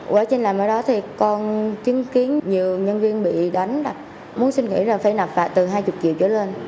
quá trình làm ở đó thì con chứng kiến nhiều nhân viên bị đánh đặt muốn xin nghỉ là phải nạp lại từ hai mươi triệu cho lên